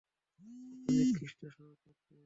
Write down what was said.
কত নিকৃষ্ট সহচর সে!